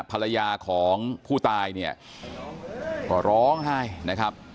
ภรรยาของผู้ตายเนี่ยก็ร้องไห้นะครับ